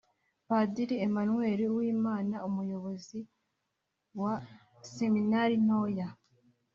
padiri emanweli uwimana, umuyobozi wa seminari ntoya